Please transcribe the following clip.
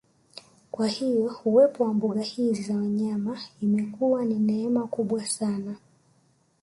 Kwa hiyo uwepo wa mbuga hizi za wanyama imekuwa ni neema kubwa sana